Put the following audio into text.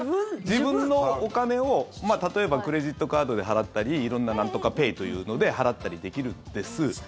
自分のお金を、例えばクレジットカードで払ったり色んななんとかペイというので払ったりできるんです。